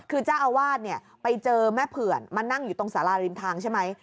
คือเจ้าอาวาสเนี่ยไปเจอแม่เผื่อนมานั่งอยู่ตรงสาราริมทางใช่ไหม